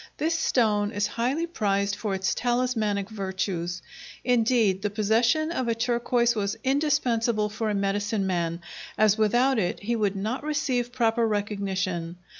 This stone is highly prized for its talismanic virtues. Indeed the possession of a turquoise was indispensable for a medicine man, as without it he would not receive proper recognition.